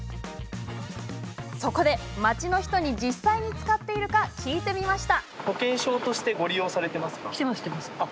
街の人に実際に使っているのか聞いてみました。